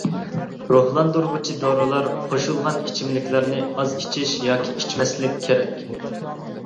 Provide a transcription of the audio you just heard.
روھلاندۇرغۇچى دورىلار قوشۇلغان ئىچىملىكلەرنى ئاز ئىچىش ياكى ئىچمەسلىك كېرەك.